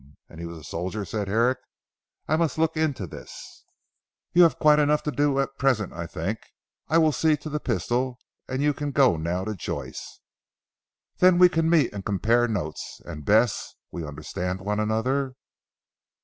"Humph! And he was a soldier!" said Herrick. "I must look into this." "You have quite enough to do at present I think. I will see to the pistol, and you can go now to Joyce." "Then we can meet and compare notes. And Bess, we understand one another?"